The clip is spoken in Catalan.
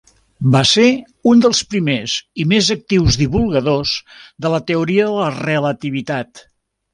Va ser un dels primers i més actius divulgadors de la teoria de la relativitat.